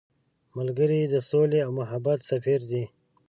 ملګری د سولې او محبت سفیر دی